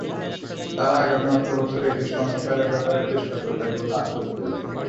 তাঁরা আগামী অর্থ বছরে এটি সংস্কারের ব্যাপারে চেষ্টা করবেন বলে আশ্বাস দিয়েছেন।